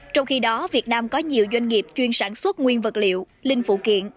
trong khi đó việt nam có nhiều doanh nghiệp chuyên sản xuất nguyên vật liệu linh phụ kiện